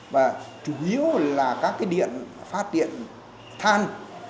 và chủ yếu là các cái điện phát điện than